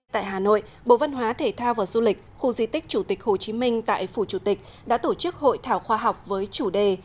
tại hà nội bộ văn hóa thể thao và du lịch khu di tích chủ tịch hồ chí minh tại phủ chủ tịch đã tổ chức hội thảo khoa học với chủ đề